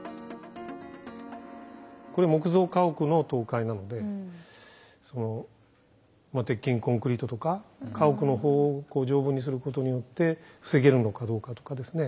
これ木造家屋の倒壊なのでその鉄筋コンクリートとか家屋の方を丈夫にすることによって防げるのかどうかとかですね